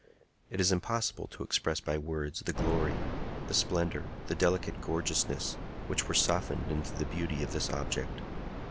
It is impossible to express by words the glory, the splendor, the delicate gorgeousness which were softened into the beauty of this object.